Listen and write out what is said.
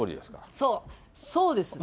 そう、そうですね。